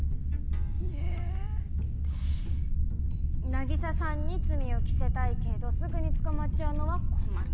凪沙さんに罪を着せたいけどすぐに捕まっちゃうのは困る。